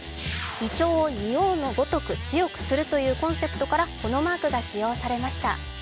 胃腸を仁王のごとく強くするというコンセプトからこのマークが使用されました。